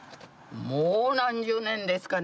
もう何十年ですかね。